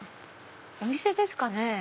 お店ですかね。